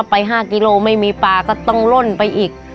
ถ้าไปห้ากิโลกรัมไม่มีปลาก็ต้องล่นไปอีก